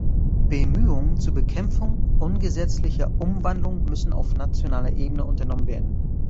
Bemühungen zur Bekämpfung ungesetzlicher "Umwandlung" müssen auf nationaler Ebene unternommen werden.